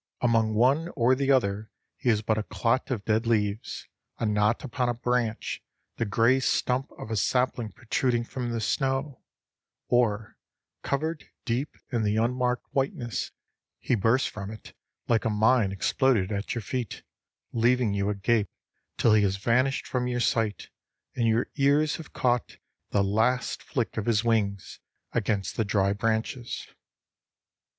Among one or the other he is but a clot of dead leaves, a knot upon a branch, the gray stump of a sapling protruding from the snow, or, covered deep in the unmarked whiteness, he bursts from it like a mine exploded at your feet, leaving you agape till he has vanished from your sight and your ears have caught the last flick of his wings against the dry branches.